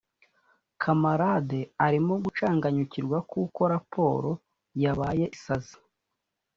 kamarade arimo gucanganyikirwa kuko raporo yabaye isazi